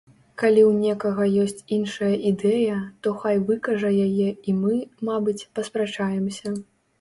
Калі ў некага ёсць іншая ідэя, то хай выкажа яе і мы, мабыць, паспрачаемся.